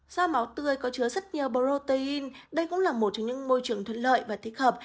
do máu tươi có chứa rất nhiều protein đây cũng là một trong những môi trường thuận lợi và thích hợp